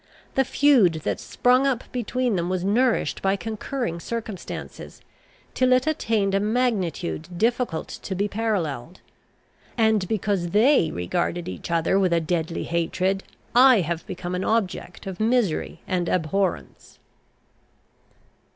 The feud that sprung up between them was nourished by concurring circumstances, till it attained a magnitude difficult to be paralleled; and, because they regarded each other with a deadly hatred, I have become an object of misery and abhorrence.